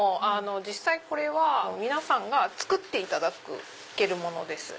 実際これは皆さんが作っていただけるものです。